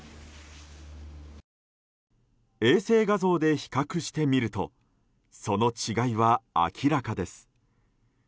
衛星画像で比較してみるとその違いは明らかです。